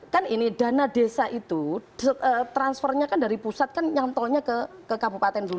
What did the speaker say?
kan ini dana desa itu transfernya kan dari pusat kan yang tolnya ke kabupaten dulu